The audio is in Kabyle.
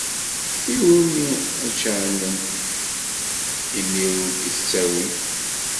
Iwumi aččeɛnen, imi ur-d ittttawi?